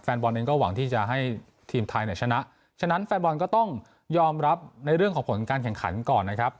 บอลเองก็หวังที่จะให้ทีมไทยเนี่ยชนะฉะนั้นแฟนบอลก็ต้องยอมรับในเรื่องของผลการแข่งขันก่อนนะครับ